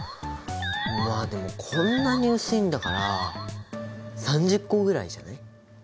まあでもこんなに薄いんだから３０個ぐらいじゃない？